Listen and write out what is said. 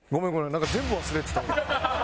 なんか全部忘れてた俺。